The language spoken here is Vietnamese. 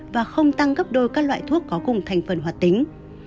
và không tăng gấp đôi các loại thuốc có cùng thành phần hoạt tính